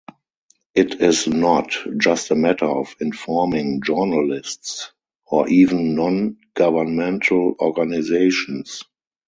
It is not just a matter of informing journalists or even non-governmental organizations.